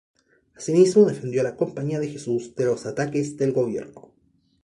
Asimismo defendió a la Compañía de Jesús de los ataques del gobierno.